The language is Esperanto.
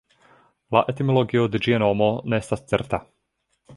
La etimologio de ĝia nomo ne estas certa.